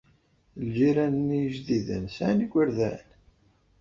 Ilǧiran-nni ijdiden sɛan igerdan?